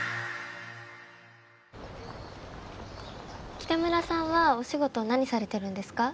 北村さんはお仕事何されてるんですか？